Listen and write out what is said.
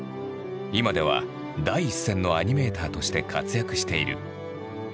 今では第一線のアニメーターとして活躍している。